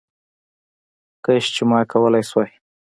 کش چي ما کولې شواې